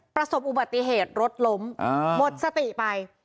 ประสบอุบัติเหตุรถล้มหมดสติไป